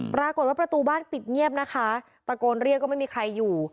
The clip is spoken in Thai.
ประตูบ้านปิดเงียบนะคะตะโกนเรียกก็ไม่มีใครอยู่